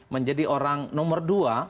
menjadi orang nomor dua